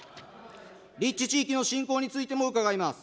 立地地域の振興についても伺います。